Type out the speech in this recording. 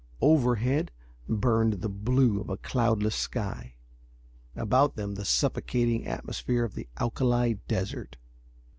Overhead burned the blue of a cloudless sky; about them the suffocating atmosphere of the alkali desert.